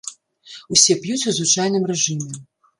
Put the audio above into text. Усе п'юць у звычайным рэжыме.